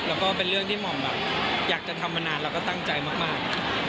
แล้วก็เป็นเรื่องที่หม่อมแบบอยากจะทำมานานแล้วก็ตั้งใจมาก